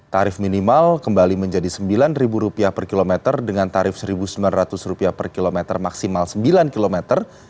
tarif minimal kembali menjadi rp sembilan per kilometer dengan tarif rp satu sembilan ratus per kilometer maksimal sembilan kilometer